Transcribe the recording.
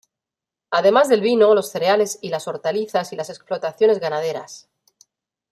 Además, del vino, los cereales y las hortalizas y las explotaciones ganaderas.